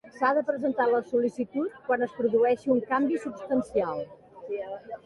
S'ha de presentar la sol·licitud quan es produeixi un canvi substancial.